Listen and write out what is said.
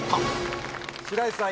白石さん